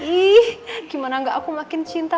ih gimana gak aku makin cinta